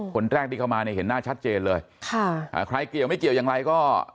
คนแรกที่เข้ามาเนี่ยเห็นหน้าชัดเจนเลยค่ะอ่าใครเกี่ยวไม่เกี่ยวอย่างไรก็